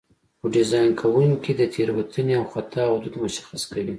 خو ډیزاین کوونکي د تېروتنې او خطا حدود مشخص کوي.